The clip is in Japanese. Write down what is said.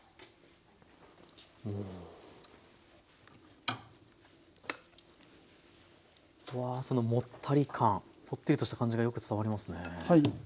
うわぁそのもったり感ポッテリとした感じがよく伝わりますね。